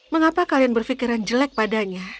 mengapa kalian berpikiran jelek padanya